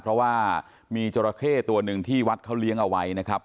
เพราะว่ามีจราเข้ตัวหนึ่งที่วัดเขาเลี้ยงเอาไว้นะครับ